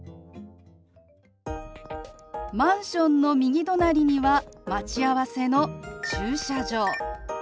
マンションの右隣には待ち合わせの駐車場。